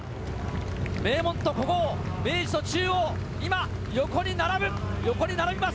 名門と古豪、明治と中央、今、横に並ぶ、横に並びます。